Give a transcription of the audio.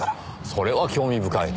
それは興味深い。